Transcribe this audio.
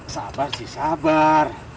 sabar sih sabar